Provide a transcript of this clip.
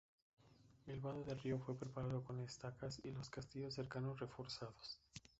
El vado del río fue preparado con estacas y los castillos cercanos reforzados.